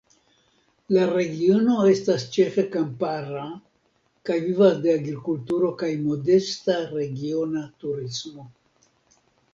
La regiono estas ĉefe kampara kaj vivas de agrikulturo kaj modesta regiona turismo.